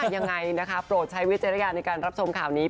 ยังไงนะคะโปรดใช้วิจารณญาณในการรับชมข่าวนี้